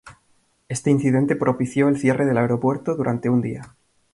Este incidente propició el cierre del aeropuerto durante un día.